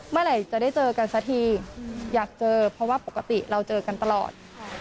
เมื่อไหร่จะได้เจอกันสักทีอยากเจอเพราะว่าปกติเราเจอกันตลอด